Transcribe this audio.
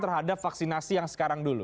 terhadap vaksinasi yang sekarang dulu